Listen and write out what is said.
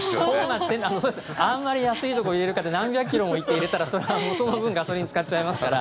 あまり安いところに入れるかというと何百キロも行って入れたらその分ガソリンを使っちゃいますから。